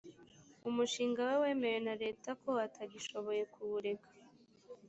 umushinga we wemewe na leta ko atagishoboye kuwureka